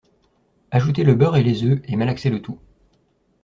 Ajouter le beurre et les œufs et malaxer le tout